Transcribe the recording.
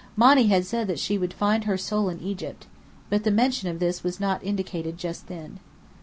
Monny had said that she would "find her soul in Egypt." But the mention of this was not indicated just then.